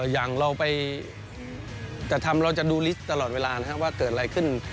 อย่างเราไปจะดูลิสต์ตลอดเวลาว่าเกิดอะไรขึ้น